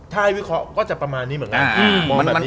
ถ้าให้วิเคราะห์ก็จะประมาณนี้เหมือนกัน